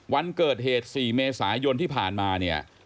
วันเกิดเหตุ๔เมษายนที่ผ่านมาเนี่ย